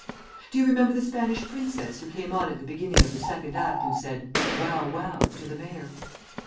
"Do you remember the Spanish princess who came on at the beginning of the Second Act and said, 'Wow wow!' to the Mayor?"